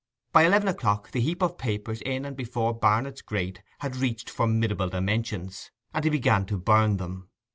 By eleven o'clock the heap of papers in and before Barnet's grate had reached formidable dimensions, and he began to burn them.